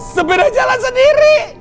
sepeda jalan sendiri